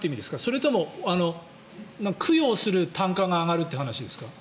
それとも供養する単価が上がるという話ですか？